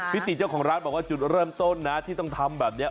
ติเจ้าของร้านบอกว่าจุดเริ่มต้นนะที่ต้องทำแบบนี้